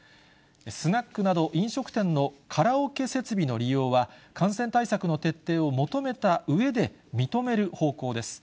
スナックなど飲食店のカラオケ設備の利用は、感染対策の徹底を求めたうえで認める方向です。